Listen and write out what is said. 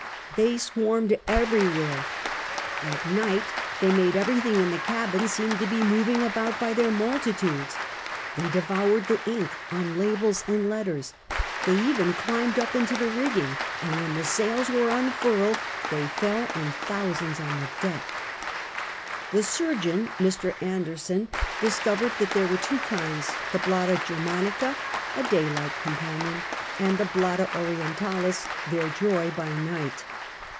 They swarmed everywhere; at night they made everything XIII THEIR HARDSHIPS 177 £tke cabins seem to be moving about by their multi l^es; They devoured the ink on labels and letters ; fliey even climbed up into the rigging, and when the sibils were unfurled they fell in thousands on the deck, llie ' surgeon, Mr. Anderson, discovered that there were two kinds — the Blatta Oermanicoj a daylight companion, and the Blatta OriefUalis^ their joy by night.